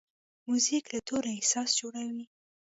موزیک له تورو احساس جوړوي.